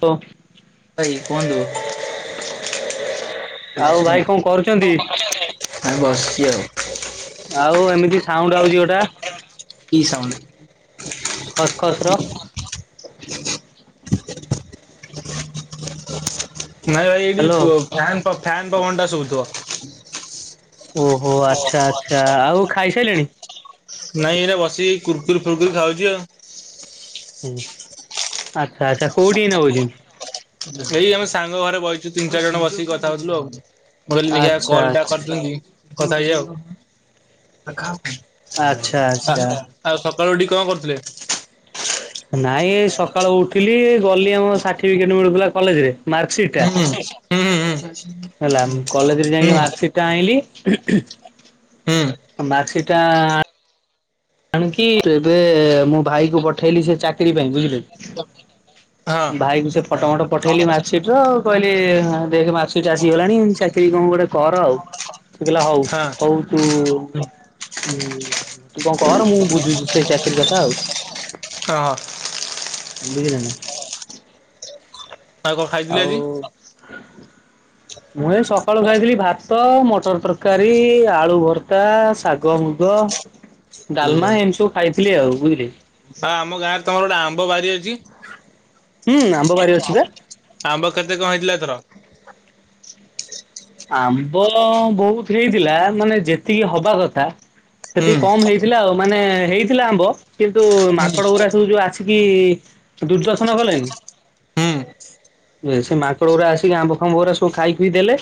ହଉ। ଭାଇ କୁହନ୍ତୁ? ଆଉ ଭାଇ କଣ କରୁଚନ୍ତି? ଆମେ ବସିଛି ଆଉ ଆଉ ଏମିତି ସାଉଣ୍ଡ ଆଉଚି ଗୋଟା? କି ସାଉଣ୍ଡ? ଖସ୍ ଖସ୍ ର। ନାଇଁ ଭାଇ ଏଇଠି ହ୍ୟାଲୋ। ଫ- ଫ୍ୟାନ୍ ପବନ ଟା ଶୁବୁଥିବ। ଓହୋ ଆଛା ଆଛା, ଆଉ ଖାଇ ସାଇଲେଣି? ନାଇଁ ଏଇନା ବସିକି କୁର୍କୁରି ଫୁର୍କୁରି ଖାଉଚି ଆଉ। ହୁଁ, ଆଛା ଆଛା, କୋଉଠି ଏଇନା ବଇଚନ୍ତି? ସେଇ ଆମେ ସାଙ୍ଗ ଘରେ ବଇଚୁ, ତିନ୍ ଚାରି ଜଣ ବସିକି କଥା ହଉଥିଲୁ ଆଉ। ମୁ କହିଲି ଦେଖିଆ ଆଚ୍ଛା କଲ୍ ଟା ଆଚ୍ଛା କରିଚନ୍ତି, କଥା ହେଇଯିବା ଆଉ। ଆଚ୍ଛା ଆଉ ଆଚ୍ଛା। ସକାଳୁ ସକାଳୁ ଉଠିକି କଣ କରୁଥିଲେ? ନାଇଁ ଏ ସକାଳୁ ଉଠିଲି ଗଲି ଆମ ସାର୍ଟିଫିକେଟ ମିଳୁଥିଲା କଲେଜ ରେ ହୁଁ ହୁଁ ହୁ ହେଲା କଲେଜରେ ଯାଇକି ମାର୍କ ସିଟ୍ ଟା ଆଇଁଲି ହୁଁ ମାର୍କ ସିଟ୍ ଟା ଆଣିକି, ଏବେ ମୁଁ ଭାଇ କୁ ପଠେଇଲି ସେ ଚାକିରି ପାଇଁ ବୁଝିଲେ କି ହଁ ଭାଇ କୁ ସେ ଫଟୋ ଫଟ ପଠେଇଲି ମା ସେଟୁ କହିଲେ ହଁ ଦେଖେ ମାର୍କ ସିଟ୍ ଆସିଗଲାଣି, ଚାକିରୀ କଣ ଗୋଟେ କର ଆଉ। ସେ କହିଲା ହଉ, ହଁ ହଉ ତୁ ମୁଁ ଦେଖୁ କର ମୁଁ ବୁଝୁଚି ସେ ଚାକିରୀ କଥା ଆଉ। କହ? ବୁଝିପାରିଲେ ନା। ଆଉ କଣ ଖାଇଥିଲେ ଆଉ ଆଜି? ମୁଁ ଏଇ ସକାଳୁ ଖାଇଥିଲି ଭାତ, ମଟର୍ ତରକାରୀ, ଆଳୁ ଭର୍ତ୍ତା, ଶାଗ ମୁଗ ଡାଲମା ଏମିତି ସବୁ ଖାଇଥିଲି ଆଉ ବୁଝିଲେକି। ହଁ ଆମ ଗାଁ ରେ ତମର ଗୋଟେ ଆମ୍ବ ବାରି ଅଛି? ହୁଁ ଆମ୍ବ ବାରି ଅଛି ବା। ଆମ୍ବ କେତେ କଣ ହେଇଥିଲା ଏଥର? ଆମ୍ବ ବହୁତ ହେଇଥିଲା ମାନେ ଯେତିକି ହବା କଥା ହୁଁ ସେତିକି କମ୍ ହେଇ ଥିଲା ଆଉ ମାନେ ହେଇଥିଲା ଆମ୍ବ କିନ୍ତୁ ମାଙ୍କଡ ଗୁୁରା ସବୁ ଯୋଉ ଆସି କି ଦୁର୍ଦ୍ଦଶନ କଲେଣି। ହୁଁ ସେ ମାଙ୍କଡ଼ ଗୁରା ଆସିକି ଆମ୍ବ ଫାମ୍ବ ଗୁରା ସବୁ ଖାଇଖୁଇ ଦେଲେ।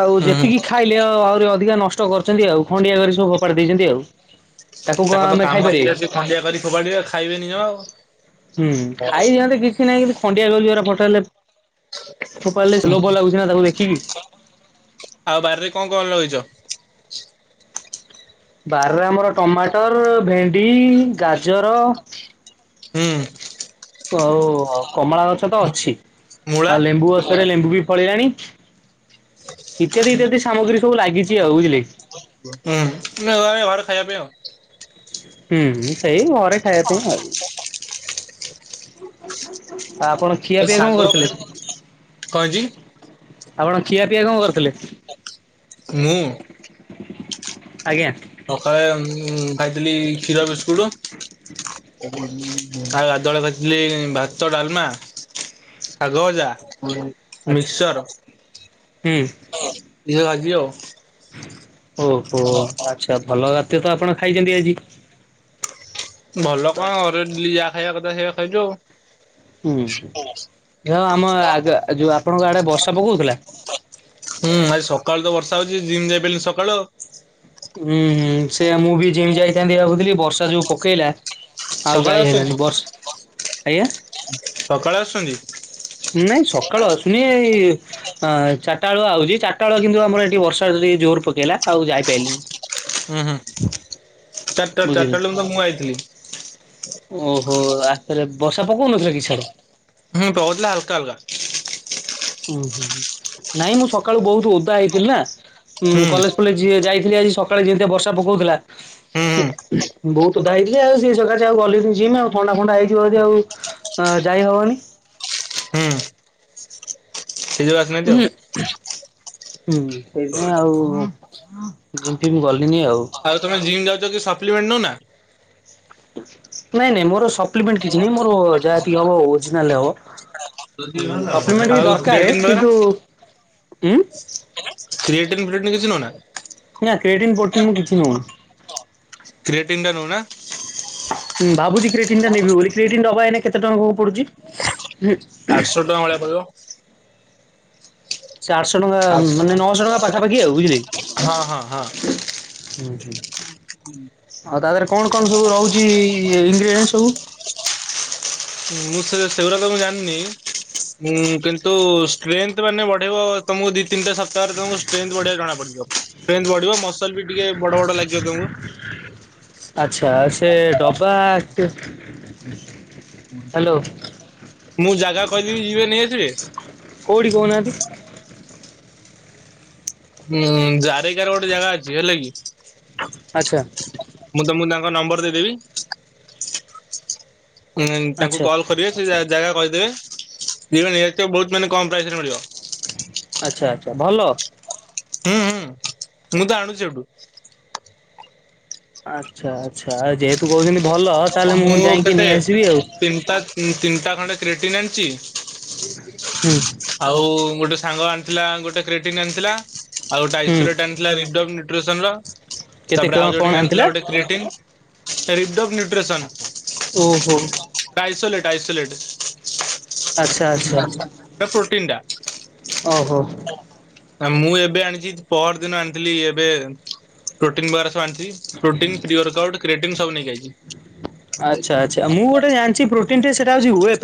ଆଉ ହୁଁ ହୁଁ ଯେତିକି ଖାଇଲେ ଆ ଆହୁରି ଅଧିକା ନଷ୍ଟ କରିଛନ୍ତି ଆଉ ଖଣ୍ଡିଆ କରି ସବୁ ଫୋପାଡି ଦେଇଛନ୍ତି ଆଉ। ତାକୁ କଣ ତାଙ୍କର ତ ଆମେ କାମ ଖାଇପାରିବା କି? ସେୟା ସିଏ ଖଣ୍ଡିଆ କରି ଫୋପାଡିବେ ଖାଇବେନିି ଜମା ଆଉ। ହୁଁ ଖାଇ ଦିଅନ୍ତେ କିଛି ନାହିଁ କିନ୍ତୁ ଖଣ୍ଡିଆ କରୀକି ଯୋଉ ଗୁରା ଫଟେଇଲେ ଫୋପାଡ଼ିଲେ ଲୋଭ ଲାଗୁଛି ନା ତାକୁ ଦେଖିକି। ଆଉ ବାରିରେ କଣ କଣ ଲଗେଇଚ? ବାରରେ ଆମର ଟମାଟର, ଭେଣ୍ଡି, ଗାଜର ହୁଁ। ଆଉ କମଳା ଗଛ ତ ଅଛି ମୂଳା ଆଉ ଲେମ୍ବୁ ଗଛ ଥରେ ଲେମ୍ବୁ ବି ଫଳିଲାଣି ଇତ୍ୟାଦି-ଇତ୍ୟାଦି ସାମଗ୍ରୀ ସବୁ ଲାଗିଛି ଆଉ ବୁଝିଲେକି। ହୁଁ [inaudible] ଘରେ ଖାଇବା ପାଇଁ ଆଉ। ହୁଁ-ହୁଁ ସେଇ ଘରେ ଖାଇବା ପାଇଁ ଆଉ। ଆପଣ ଏ ଖିଆପିଆ କଣ ଶାଗ କରିଥିଲେ? ଉପରେ କଣ ହେଇଛି? ଆପଣ ଖିଆପିଆ କଣ କରିଥିଲେ? ମୁଁ? ଆଜ୍ଞା। ସକାଳେ ଉଁ ଉଁ ଖାଇଥିଲି କ୍ଷୀର ବିସ୍କୁଟ ଆଉ ଗାଧୁଆବେଳେ ଖାଇଥିଲି ଭାତ, ଡାଲମା ଶାଗ ଭଜା। ଆଚ୍ଛା ମିକ୍ସଚର ହୁଁ। ଇଏ ଭାଜି ଆଉ। ଓହୋ ଆଚ୍ଛା ଭଲ ଖାଦ୍ୟ ତ ଆପଣ ଖାଇଛନ୍ତି ଆଜି। ଭଲ କଣ ଘରେ ଡେଲି ଯାହା ଖାଇବା କଥା ସେଇଆ ଖାଇଛୁ ଆଉ। ହୁଁ ଯଅ ଆମ ଆଗ ଯୋଉ ଆପଣଙ୍କ ଆଡେ ବର୍ଷା ପକଉଥିଲା? ହୁଁ ଆଜି ସକାଳୁ ତ ବର୍ଷା ହଉଛି ଯିମ ଯାଇ ପାରିଲିନି ସକାଳୁ ଆଉ। ହୁଁ-ହୁଁ ସେଆ ମୁଁ ବି ଯିମ୍ ଯାଇଥାନ୍ତି ଭାବୁଥିଲି ବର୍ଷା ଯୋଉ ପକେଇଲା। ଆଉ ସକାଳେ ଯାଇ ଆସୁଛନ୍ତି? ହେଲାନି ବର୍ଷ ଆଜ୍ଞା। ସକାଳେ ଆସୁଛନ୍ତି? ନାଇଁ ସକାଳୁ ଆସୁନି ଏଇ ହଁ ଚାରଟା ବେଳୁ ଆଉଛି ଚାରଟା ବେଳୁ କିନ୍ତୁ ଆମର ଏଠି ବର୍ଷା ଯଦି ଜୋର ପକେଇଲା ଆଉ ଯାଇପାଇଲିନି। ହୁଁ-ହୁଁ ଚାରିଟା-ଚାରିଟା ବୁଝିଲେ ବେଳକୁ ତ ମୁଁ ଆଇଥିଲି। ଓହୋ ଆ ରେ ବର୍ଷା ପକଉନଥିଲା କି ସାଡେ? ହୁଁ ପକଉଥିଲା ହାଲକା-ହାଲକା। ଉୁଁ ହୁଁଁ ନାଇଁ ମୁଁ ସକାଳୁ ବହୁତ ଓଦା ହେଇଥିଲି ନା ଉଁ ହୁଁ କଲେଜ ଫଲେଜ୍ ଯିଏ ଯାଇଥିଲି ଆଜି ସକାଳେ ଯେମତିଆ ବର୍ଷା ପକଉଥିଲା ହୁଁ ହୁଁ ଉ ହୁ ବହୁତ ଓଦା ହେଇଥିଲି ଆଉ ସେ ସକାଶେ ଆଉ ଗଲିନି ଯିମ ଆଉ ଥଣ୍ଡା ଫଣ୍ଡା ହେଇଯିବ ଯଦି ଆଉ ଯାଇ ହବନି। ହୁଁ ସେଇ ଯୋଉ ଆସିନାହାନ୍ତି ଉଁ ଆଉ। ହୁଁ-ହୁଁ ସେଇଥିପାଇଁ ଆଉ ଯିମ ଫିମ ଗଲିନି ଆଉ। ଆଉ ତମେ ଯିମ ଯାଉଛ କି ସପ୍ଲିମେଣ୍ଟ ନଉ ନା? ନାଇଁ-ନାଇଁ ମୋର ସପ୍ଲିମେଣ୍ଟ କିଛି ନାହିଁ ମୋର ଯାହା ଯେତିକି ହବ ଓରିଜିନାଲରେ ହବ। ସପ୍ଲିମେଣ୍ଟ ବି ଆଉ ଦରକାର କ୍ରିଏଟିନ୍ ବଗେରା କିନ୍ତୁ ଉଁ। କ୍ରିଏଟିନ୍ ଫ୍ରିଏଟିନ୍ କିଛି ନଉନା? ନା କ୍ରିଏଟିନ୍ ପ୍ରୋଟିନ ମୁଁ କିଛି ନଉନି। କ୍ରିଏଟିନ୍ ଟା ନଉନା। ହୁଁ ଭାବୁଚି କ୍ରିଏଟିନ୍ ଟା ନେବି ବୋଲି କ୍ରିଏଟିନ୍ ଟବା ଏବେ କେତେ କଣ ପଡୁଚି? ଆଠ ଶହ ଟଙ୍କା ଭଳିଆ ପଡିବ। ସେ ଆଠଶହ ଟଙ୍କା ଆଠଶହ ମାନେ ନଅଶହ ଟଙ୍କା ପାଖାପାଖି ଆଉ ବୁଝିଲେ। ହଁ ହଁ ହଁ। ଉଁ ହୁଁ। [inaudible] ଆଉ ତା ଦେହରେ କଣ କଣ ସବୁ ରହୁଚି ଇନଗ୍ରିଡେଣ୍ଟ ସବୁ? ମୁଁ ସେ ସେଗୁଡା ତ ମୁଁ ଜାଣିନି। ଉଁ କିନ୍ତୁ ଷ୍ଟ୍ରେଥ ମାନେ ବଢେଇବ ତମକୁ ଦି ତିନିଟା ସ ତାର ତମ ଷ୍ଟ୍ରେଥ ବଢିବା ଜଣା ପଡିଯିବ। ଷ୍ଟ୍ରେଥ ବଢିବ ମସଲ ବି ଟିକେ ବଡ ବଡ ଲାଗିବ ତମକୁ। ଆଚ୍ଛା ସେ ଡବା। [inaudible] ହ୍ୟାଲୋ ମୁଁ ଜାଗା କହିବି ଯିବେ ନେଇ ଆସିବେ। କୋଉଠି କହୁନାହାନ୍ତି? ଉଁ ଜାରେକା ରେ ଗୋଟେ ଜାଗା ଅଛି ହେଲା କି। ଆଚ୍ଛା। ମୁଁ ତମକୁ ତାଙ୍କ ନମ୍ବର ଦେଇଦେବି। ତାଙ୍କୁ ଆଚ୍ଛା କଲ୍ କରିବେ ସେ ଜାଗା କହିଦେବେ ଯିବେ ନେଇଆସିବେ। ବହୁତ ମାନେ କମ୍ ପ୍ରାଇସରେ ମିଳିବ। ଆଚ୍ଛା ଆଚ୍ଛା ଭଲ। ହୁଁ ହୁଁ ମୁଁ ତ ଆଣୁଚି ସେଠୁ। ଆଚ୍ଛା ଆଚ୍ଛା ଆ ଯେହେତୁ କହୁଛନ୍ତି ଭଲ ତାହେଲେ ମୁଁ ଯାଇକି ନେଇ ଆସିବି ଆଉ। ତିନିଟା ତିନିଟା ଖଣ୍ଡେ କ୍ରିଟିନ୍ ଆଣିଚି। ହୁଁ। ଆଉ ଗୋଟେ ସାଙ୍ଗ ଆଣିଥିଲା ଗୋଟେ କ୍ରିଏଟିନ୍ ଆଣିଥିଲା ଆଉ ଗୋଟେ ହୁଁ ଆଇସୋଲେଟ [unintelligible] ନୁଟ୍ରିସନର। କେତେ ତାପରେ କଣ ଆଉ କଣ ଜଣେ ବି ଆଣିଥିଲା ଗୋଟେ କ୍ରିଏଟିନ୍। ରିଡୋକ୍ ନ୍ୟୁଟ୍ରିସନ୍। ଓହୋ। Isolate isolate. ଆଚ୍ଛା ଆଚ୍ଛା। ଏଟା ପ୍ରୋଟିନ ଟା। ଓ ହଉ। ଆ ମୁଁ ଏବେ ଆଣିଚି ପହର ଦିନ ଆଣିଥିଲି ଏବେ ପ୍ରୋଟିନ ବଗେରା ସବୁ ଆଣିଥିଲି। ପ୍ରୋଟିନ୍, ପିଅର କଡ, କ୍ରିଏଟିନ୍ ସବୁ ନେଇକି ଆଇଚି। ଆଚ୍ଛା ଆଚ୍ଛା ମୁଁ ଗୋଟେ ଜାଣିଚି ପ୍ରୋଟିନ୍ ସେଟା ହଉଛି ୱେବ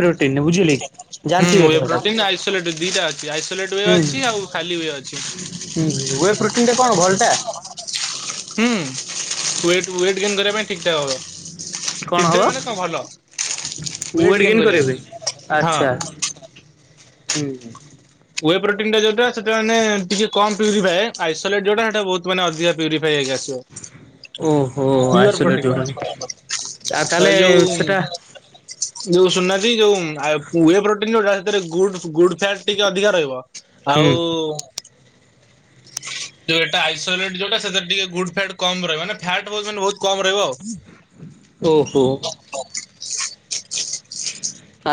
ହୁଁ ୱେ ସେଟାକୁ। ପ୍ରୋଟିନ୍ ଆଇସୋଲେଟ ଦିଟା ଅଛି ଆଇସୋଲେଟ୍ ୱେବ ହୁଁ ଅଛି ଆଉ ଖାଲି ୱେ ଅଛି। [inaudible] ହୁଁ ୱେ ପ୍ରୋଟିନ୍ ଟା କଣ ଭଲ ଟା? ହୁଁ ୱେଟ ୱେଟ୍ ଗେନ୍ କରିବା ପାଇଁ ଠିକ୍ ଠାକ୍ ହବ। ଠିକ୍ ଠାକ୍ ମାନେ କଣ ଭଲ। ୱେଟ୍ ଗେନ୍ କରିବା ପାଇଁ ହଁ। ଆଚ୍ଛା ହୁଁ। ୱେବ ପ୍ରୋଟିନ୍ ଟା ଯୋଉଟା ସେଟା ମାନେ ଟିକେ କମ୍ ପ୍ୟୁରିଫାଏ। ଆଇସୋଲେଟ୍ ଯୋଉଟା ସେଟା ବହୁତ ଅଧିକ ପ୍ୟୁରିଫାଏ ହେଇକି ଓହୋ ଆସେ। ପିଅର ଆଇସୋଲେଟ ପ୍ରୋଟିନ୍ ଯୋଉଟା ଆଉ ଟା। ଏ ତାହେଲେ ଯୋଉ ସେଟା ଯୋଉ ଶୁଣୁନାହାନ୍ତି ଯୋଉ ୱେ ପ୍ରୋଟିନ ଯୋଉଟା ସେଥିରେ ଗୁଡ ଗୁଡ ଫ୍ୟାଟ ଟିକେ ଅଧିକା ରହିବ। ହୁଁ ଆଉ ଯୋଉଟା ଆଇସୋଲେଟ ଯୋଉଟା ସେଥିରେ ଟିକେ ଗୁଡ୍ ଫ୍ୟାଟ କମ ରହିବ। ନା ଫ୍ୟାଟ ଭର୍ସନ ବହୁତ କମ ରହିବ। ଓହୋ।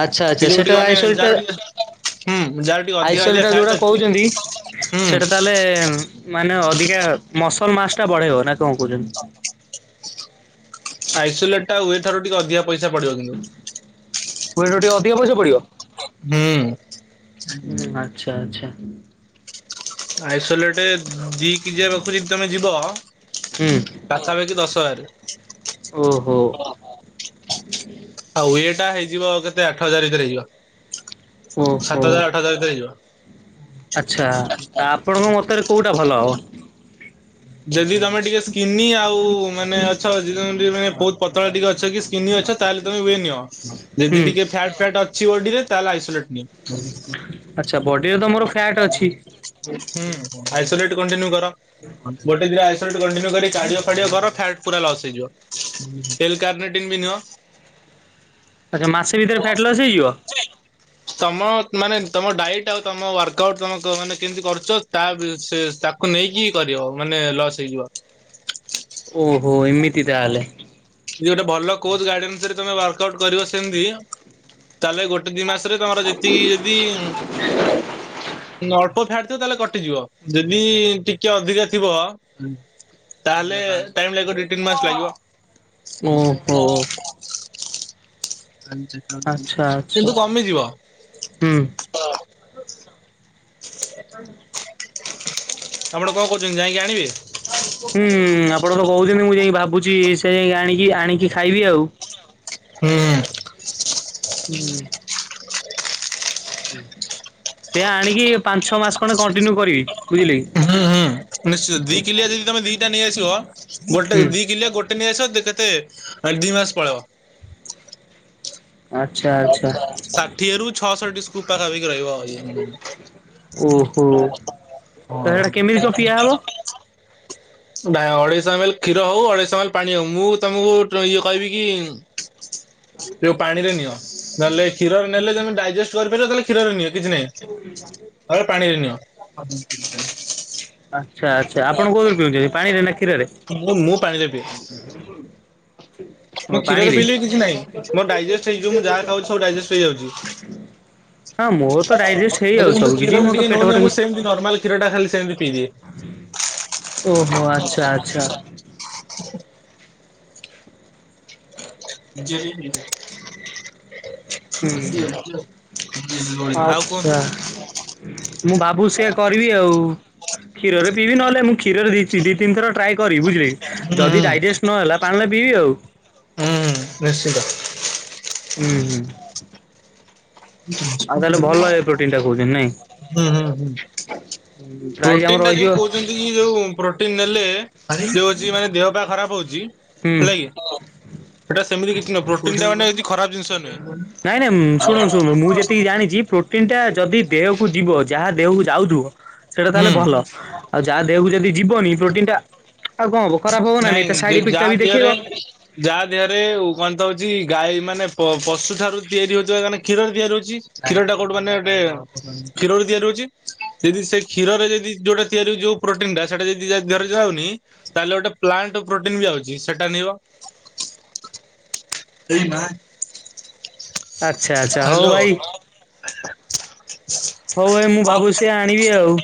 ଆଚ୍ଛା ସେ ଆଚ୍ଛା ଯୋଉ ଟିକେ ସେଟା ମାନେ ଆଇସୋଲେଟ ଯାହାର ତା ଟିକେ ହୁଁ ଯାଟ୍ ଆଇସୋଲେଟ୍ ଯୋଉଟା କହୁଛନ୍ତି ସେଇଟା ତାହେଲେ ମାନେ ଅଧିକା ମସଲ୍ ମାସ୍ ଟା ବଢେଇ ହବ ନା କଣ କହୁଛନ୍ତି? ଆଇସୋଲେଟ ଟା ୱେ ଠାରୁ ଟିକେ ଅଧିକା ପଇସା ପଡି଼ବ କିନ୍ତୁ। ୱେବ୍ ଠୁ ଟିକେ ଅଧିକା ପଇସା ହୁଁ ପଡି଼ବ ଆଚ୍ଛା ଆଚ୍ଛା। ଆଇସୋଲେଟ୍ ଦିଇ କିଜିଆ ରଖୁକି ତମେ ଯିବ। ହୁଁ ପାଖାପାଖି ଦଶହାରେ। ଓହୋ। ଆଉ ୱେଟା ହେଇଯିବ କେତେ ଆଠ ହଜାର ଭିତରେ ହେଇଯିବ ଓହୋ ସାତ ହଜାରେ ଆଠ ଆଠ ହଜାରେ ଭିତରେ ହେଇଯିବ। ଆଚ୍ଛା ଆ ଆପଣଙ୍କ ମତରେ କୋଉଟା ଭଲ ହବ? ଯଦି ତମେ ଟିକେ ସ୍କିନି ଆଉ ମାନେ ଅଛି ମାନେ ବହୁତ୍ ପତଳା ଟିକେ ଅଛ କି ସ୍କିନି ଅଛ ତାହେଲେ ତମେ ହ୍ୱେ ନିଅ ହୁଁ ଯଦି ଟିକେ ଫ୍ୟାଟ୍ ପ୍ୟାଟ୍ ଅଛି ବଡିରେ ତାହେଲେ ଆଇସୋଲେଟ୍ ନିଅ ଆଚ୍ଛା ବଡିରେ ତ ମୋର ଫ୍ୟାଟ୍ ଅଛି। ହୁଁ ଆଇସୋଲେଟ୍ କଣ୍ଟିନ୍ୟୁ କର ଗୋଟେ ଦି ଟା ଆଇସୋଲେଟ୍ ଲେଟ୍ କଣ୍ଟିନ୍ୟୁ କରିକି କାର୍ଡିଓ ଫାର୍ଡିଓ କର ଫ୍ୟାଟ୍ ପୁରା ଲସ୍ ହେଇଯିବ ଟିଲ୍ କାର୍ନିଟିନ୍ ବି ନିଅ ଆଚ୍ଛା ମାସେ ଭିତରେ ଫାଟ ଲସ୍ ହେଇଯିବ? ତମ ମାନେ ତମ ଡାଇଟ୍ ଆଉ ତମ ୱାର୍କ ଆଉଟ୍ ତାମେ ମାନେ କେମତି କର ସେ ତାକୁ ନେଇକି କରିବ ମାନେ ଲସ୍ ହେଇଯିବ। ଓହୋ ଏମିତି ତାହେଲେ। ଯଦି ଗୋଟେ ଭଲ କୋଚ୍ ଗଡେନ୍ରେ ତମେ ୱାର୍କ ଆଉଟ୍ କରିବ ସେମତି ତାହେଲେ ଗୋଟେ ଦି ମାସରେ ତମର ଯେତିକି ଯଦି [inaudible] ଅଳ୍ପ ଫ୍ୟାଟ୍ ଥିବ ତାହେଲେ କଟିଯିବ ଯଦି ଟିକେ ଅଧିକା ଥିବ ତାହେଲେ ଟାଇମ୍ ଲାଗିବ ଦି ତିନି ମାସେ ଲାଗିବ ଓହୋ। ଆଚ୍ଛା [unintelligible] ଆଚ୍ଛା କିନ୍ତୁ କମିଯିବ। ହୁଁ। [inaudible] ଆପଣ କଣ କହୁଛନ୍ତି ଯାଇକି ଆଣିବେ? ହୁଁ ଆପଣ ତ କହୁଛନ୍ତି ମୁଁ ଯାଇକି ଭାବୁଛି ସେ ଯାଇ ଆଣିକି ଆଣିକି ଖାଇବି ଆଉ ହୁଁ ହୁଁ। ସେ ଆଣିକି ପାଞ୍ଚ ଛଅ ମାସେ ଖଣ୍ଡେ କଣ୍ଟିନ୍ୟୁ କରିବି ବୁଝିଲେ କି ହୁଁ ହୁଁ। ନିଶ୍ଚିତ ଦି କିଲିଆ ଯଦି ତମେ ଦିଟା ନେଇଆସିବ ଗୋଟେ ହୁଁ ଦି କିଲିଆ ଗୋଟେ ନେଇଆସ କେତେ ଦି ମାସ ପଳେଇବ ଆଚ୍ଛା। ଆଚ୍ଛା ଷାଠିଏରୁ ଛଅଷଠି ସ୍କୁପ୍ ପାଖାପାଖି ରହିବ ଆଉ ଇ ଓହୋ ତା ହେଟା କେମିତି କଣ ପିଆହବ? ନାଇ ଅଢ଼େଇଶହ ଏମ୍ ଏଲ୍ କ୍ଷୀର ହଉ ଅଢେଇଶହ ଏମ୍ ଏଲ ପାଣି ହଉ ମୁଁ ତମକୁ ଇଏ କହିବି କି ଯଉ ପାଣିରେ ନିଅ ନହେଲେ କ୍ଷୀରରେ ନେଲେ ତମେ ଡାଇଜେଷ୍ଟ୍ କରିପାରିବ ତାହେଲେ କ୍ଷୀରରେ ନିଅ କିଛି ନାହିଁ। [inaudible] ତମେ ପାଣିରେ ନିଅ ଆଚ୍ଛା ଆଚ୍ଛା ଆପଣ କୋଉଠୁ କିଣିୁଛନ୍ତି ପାଣିରେ ନା? କ୍ଷୀରରେ ମୁଁ ପାଣିରେ ପିଏ। ମୁ ଓ କ୍ଷୀରରେ ପାଣିରେ ପିଇଲେ ବି କିଛି ନାହିଁ ମୋର ଡାଇଜେଷ୍ଟ୍ ହେଇଯିବ ମୁଁ ଯାହା ଖାଉଛି ଡାଇଜେଷ୍ଟ୍ ହେଇଯାଉଛି। ହଁ ମୋର ତ ଡାଇଜେଷ୍ଟ ହେଇ ମତେ ଆଉ କିନ୍ତୁ ସବୁ କିଛି କ୍ଷୀରରେ ମୁଁ ତ ଟିକେ ପେଟ ନଉନି ପଟ ମୁଁ କି ସେମିତି ନର୍ମାଲ କ୍ଷୀରଟା ଖାଲି ସେମତି ପିଦିଏ। ଓହୋ ଆଚ୍ଛା ଆଚ୍ଛା। [unintelligible] ହୁଁ ଆଉ ଆଚ୍ଛା କୁହନ୍ତୁ। ମୁଁ ଭାବୁଛି ସେଆ କରିବି ଆଉ। କ୍ଷୀରରେ ପିବି ନହଲେ ମୁ କ୍ଷୀର ଦି ତି ଦି ତିନ୍ ଥର ଟ୍ରାଏ କରିବି ବୁଝିଲି କି ଯଦି ଡାଇଜେଷ୍ଟ ନ ହେଲା ପାଣି ପିଇବି ଆଉ। ହୁଁ ନିଶ୍ଚିତ। ହୁଁ ହୁଁ। ଆଉ ତାହେଲେ ଭଲ ହେ ପ୍ରୋଟିନ୍ ଟା କୋହୁଛନ୍ତି ନାଇଁ। ହୁଁ ହୁଁ। ପ୍ରାଇଜ ପ୍ରୋଟିନ ଆମର ଟା ଯୋଉ ରହିଯିବ। କହୁଛନ୍ତି ଯୋଉ ପ୍ରୋଟିନ ନେଲେ ଆସିକି ସେ ହୋଉଛି ଦେହ ପା ଖରାପ୍ ହୋଉଚି ହୁଁ ହେଲାକି। ସେଟା ସେମିତି କିଛି ନୁହଁ ପ୍ରୋଟିନ ଟା ମାନେ କିଛି ଖରାପ୍ ଜିନିଷ ନୁହେଁ। ନାଇଁ ନାଇଁ ଶୁଣୁ ଶୁଣୁ ମୁଁ ଯେତିକି ଜାଣିଛି ପ୍ରୋଟିନ ଟା ଯଦି ଦେହକୁ ଯିବ ଯାହା ଦେହକୁ ଯାଉଥିବ ସେଇଟା ତାହେଲେ ହୁଁ। ଭଲ ଆଉ ଯାହା ଦେହକୁ ଯଦି ଯିବନି ପ୍ରୋଟିନ ଟା ଆଉ କଣ ହବ ଖରାପ ହବ ନା ନାଇଁ ନାଇ ତା ଶାଢ଼ି ପିକ୍ ଟା ଯାହା ବି ଦେହରେ ଦେଖେଇବ। ଯାହା ଦେହରେ ଉବାନ୍ତ ଅଛି ଗାଇ ମାନେ ପ ପଶୁ ଠାରୁ ତିଆରି ହେଉଥିବା ଗାନେ କ୍ଷୀର ରୁ ତିଆରି ହୋଉଛି କ୍ଷୀର ଟା କୋଉଠୁ ମାନେ ଗୋଟେ କ୍ଷୀର ରୁ ତିଆରି ହୋଉଛି ଯଦି ସେ କ୍ଷୀର ରେ ଯଦି ଯୋଉଟା ତିଆରି ହୋଉଛି ଯୋଉ ପ୍ରୋଟିନ ଟା ସେଟା ଯଦି। [unintelligible] ତାହେଲେ ଗୋଟେ ପ୍ଲାଣ୍ଟ ପ୍ରୋଟିନ୍ ବି ଆଉଚି ସେଟା ନିଅ। [unintelligible] ଆଚ୍ଛା ଆଚ୍ଛା ହଉ ଭାଇ ହଉ ଭାଇ ମୁଁ ଭାବୁ ସେ ଆଣିବି ଆଉ।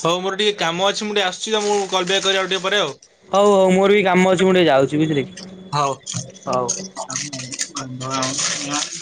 ହଉ ମୋର ଟିକେ କାମ ଅଛି ମୁଁ ଟିକେ ଆସୁଛି ତମକୁ କଲ୍ ବ୍ୟାକ୍ କରବି ଆଉ ଟିକେ ପରେ ଆଉ। ହଉ ହଉ ମୋର ବି କାମ ଅଛି ମୁଁ ଟିକେ ଯାଉଛି ବୁଝିଲେ କି। ହଉ। ହଉ।